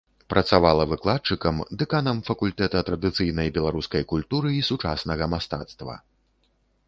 Працавала выкладчыкам, дэканам факультэта традыцыйнай беларускай культуры і сучаснага мастацтва.